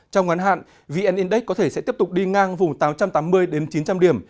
trong ngắn hạn vn index có thể sẽ tiếp tục đi ngang vùng tám trăm tám mươi đến chín trăm linh điểm